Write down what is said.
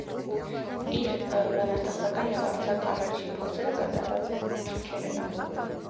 Իր բանաստեղծական եւ արձակ աոաջին փորձերը կատարած է թրքերէնով։